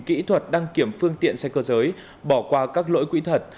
kỹ thuật đăng kiểm phương tiện xe cơ giới bỏ qua các lỗi quỹ thật